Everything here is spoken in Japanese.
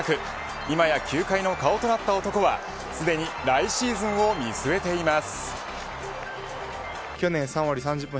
今や球界の顔となった男はすでに来シーズンを見据えています。